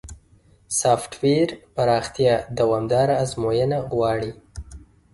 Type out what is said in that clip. سافټویر پراختیا دوامداره ازموینه غواړي.